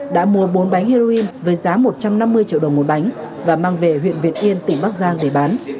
đã mua bốn bánh heroin với giá một trăm năm mươi triệu đồng một bánh và mang về huyện việt yên tỉnh bắc giang để bán